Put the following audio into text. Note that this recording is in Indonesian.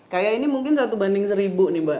kayak ini mungkin satu banding seribu nih mbak